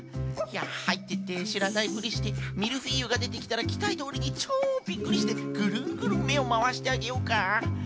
いやはいってってしらないふりしてミルフィーユがでてきたらきたいどおりにちょうビックリしてグルングルンめをまわしてあげようか？